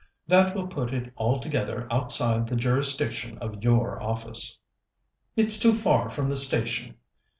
That will put it altogether outside the jurisdiction of your office." "It's too far from the station."